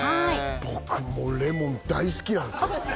僕もレモン大好きなんですよ